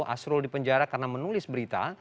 asrul dipenjara karena menulis berita